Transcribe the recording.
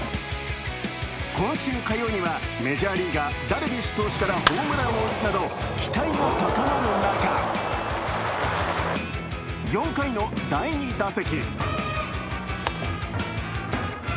今週火曜にはメジャーリーガー、ダルビッシュ投手からホームランを打つなど期待が高まる中、４回の第２打席。